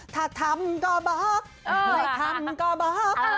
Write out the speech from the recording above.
ถ้าทำก็บอกไม่ทำก็บอก